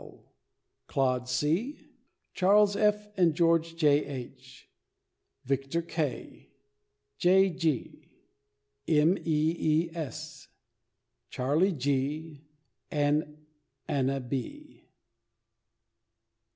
Coggswell, Claude C., Charles F. and George J. H., Victor K., J. G., M. E. E. S., Charlie G., and Anna B.